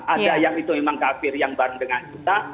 ada yang itu memang kafir yang bareng dengan kita